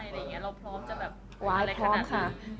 เราพร้อมจะเล่นอะไรขนาดนี้